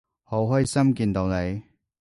好開心見到你